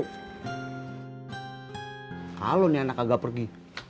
kalo nih anak agak pergi